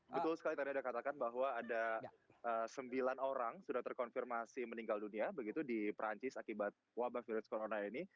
betul sekali tadi ada katakan bahwa ada sembilan orang sudah terkonfirmasi meninggal dunia begitu di perancis akibat wabah virus corona ini